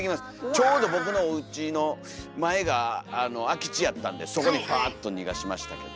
ちょうど僕のおうちの前が空き地やったんでそこにパーッと逃がしましたけど。